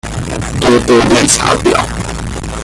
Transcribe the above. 多多綠茶婊